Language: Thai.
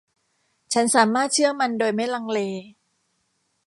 ฉันสามารถเชื่อมันโดยไม่ลังเล